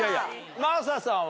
真麻さんは？